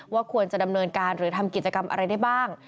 ควรจะดำเนินการหรือทำกิจกรรมอะไรได้บ้าง